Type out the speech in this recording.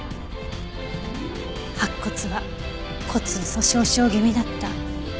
白骨は骨粗鬆症気味だった。